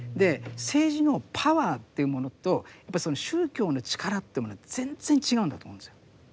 政治のパワーというものとやっぱりその宗教の力というものは全然違うんだと思うんですよ。